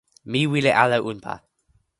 mi wile ala unpa.